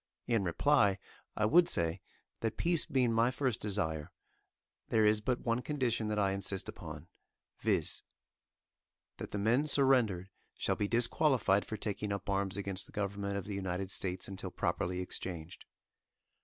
In reply, I would say, that peace being my first desire, there is but one condition that I insist upon, viz: That the men surrendered shall be disqualified for taking up arms against the government of the United States until properly exchanged.